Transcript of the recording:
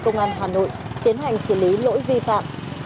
công an hà nội tiến hành xử lý lỗi vi phạm